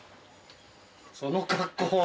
その格好は？